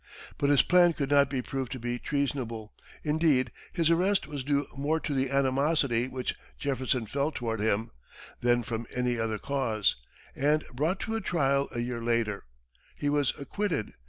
But his plan could not be proved to be treasonable; indeed, his arrest was due more to the animosity which Jefferson felt toward him, than from any other cause, and, brought to trial a year later, he was acquitted.